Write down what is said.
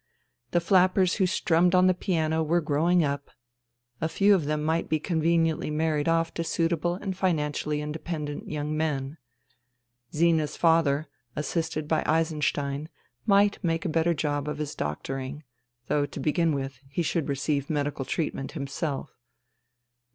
The flappers who strummed on the piano were growing up. A few of them might be conveniently married off to suitable and financially independent young men. Zina's father, assisted by Eisenstein, might make a better job of his doctor ing ; though to begin with, he should receive medical treatment himself.